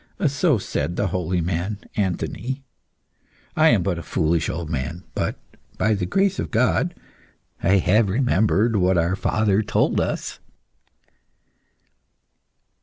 So said the holy man, Anthony. I am but a foolish old man, but, by the grace of God, I have remembered what our father told us."